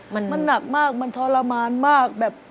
มันหนักมากมันทรมานมากแบบ